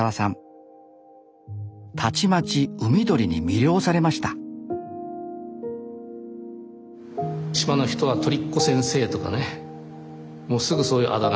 たちまち海鳥に魅了されました島の人は鳥っこ先生とかねもうすぐそういうあだ名が付いてね